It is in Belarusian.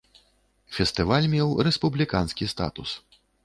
Фестываль меў рэспубліканскі статус.